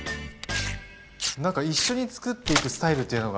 何か一緒につくっていくスタイルというのが。